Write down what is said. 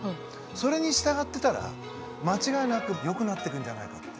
それに従ってたら間違いなくよくなってくんじゃないかって。